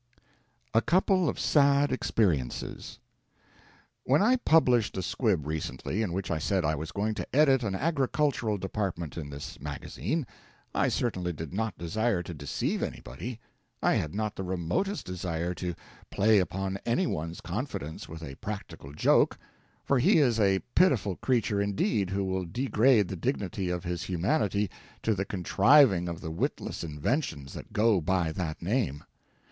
A COUPLE OF SAD EXPERIENCES When I published a squib recently in which I said I was going to edit an Agricultural Department in this magazine, I certainly did not desire to deceive anybody. I had not the remotest desire to play upon any one's confidence with a practical joke, for he is a pitiful creature indeed who will degrade the dignity of his humanity to the contriving of the witless inventions that go by that name.